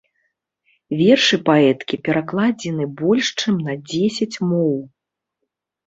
Вершы паэткі перакладзены больш чым на дзесяць моў.